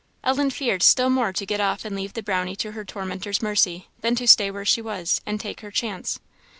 Ellen feared still more to get off and leave the Brownie to her tormentor's mercy, than to stay where she was, and take her chance.